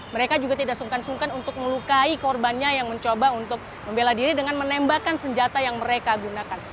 mereka juga tidak sungkan sungkan untuk melukai korbannya yang mencoba untuk membela diri dengan menembakkan senjata yang mereka gunakan